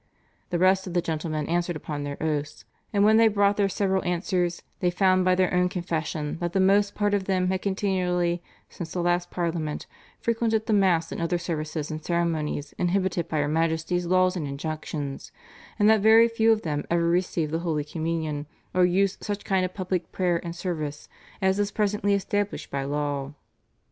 The rest of the gentlemen answered upon their oaths. And when they brought their several answers, they found by their own confession, that the most part of them had continually, since the last Parliament, frequented the Mass and other services and ceremonies inhibited by her Majesty's laws and injunctions, and that very few of them ever received the Holy Communion, or used such kind of public prayer and service as is presently established by law."